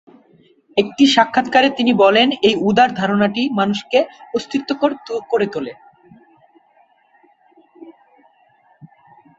এক সাক্ষাৎকারে তিনি বলেন, "এই উদার ধারণাটি মানুষকে অস্বস্তিকর করে তোলে।"